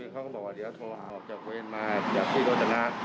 มันว่ามันหากหลบเราก็ทับเข้าไปอีก